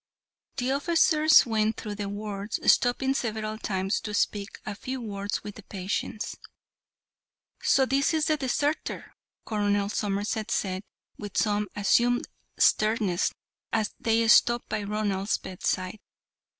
The officers went through the wards, stopping several times to speak a few words to the patients. "So this is the deserter," Colonel Somerset said, with some assumed sternness, as they stopped by Ronald's bedside.